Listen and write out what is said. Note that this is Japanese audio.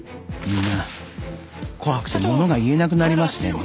みんな怖くてものが言えなくなりましてね。